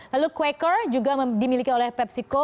lalu quaker juga dimiliki oleh pepsico